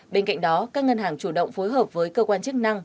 bên cạnh đó các ngân hàng chủ động phối hợp với cơ quan chức năng